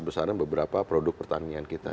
besaran beberapa produk pertanian kita